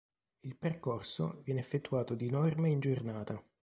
Il percorso viene effettuato di norma in giornata.